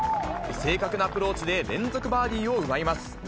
正確なアプローチで連続バーディーを奪います。